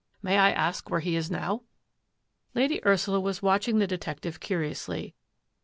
May I ask where he is now ?" Lady Ursula was watching the detective curi ously.